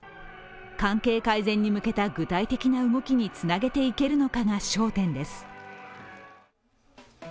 関係改善に向けた具体的な動きにつなげていけるのかが焦点です。